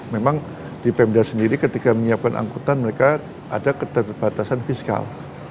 memang di pemda sendiri ketika menyiapkan angkutan mereka ada keterbatasan fiskal